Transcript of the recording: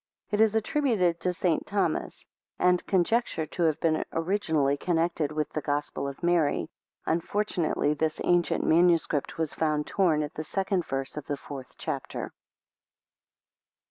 It is attributed to St. Thomas, and conjectured to have been originally connected with the, Gospel of Mary. Unfortunately this ancient MS. was found torn at the second verse of the fourth chapter.